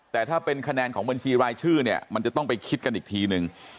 แต่ถ้าเป็นคะแนนของบัญชีรายชื่อเนี่ยมันจะต้องไปคิดกันอีกทีนึง